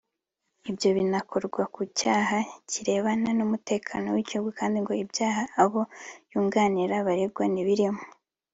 Ibyo binakorwa ku cyaha kirebana n’umutekano w’igihugu kandi ngo ibyaha abo yunganira baregwa ntibirimo